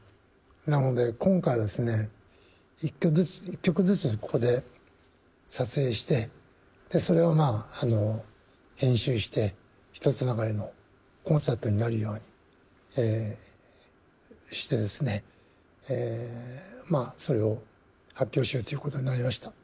なので、今回はですね、１曲ずつここで撮影して、それを編集して、ひとつながりのコンサートになるようにしてですね、それを発表しようということになりました。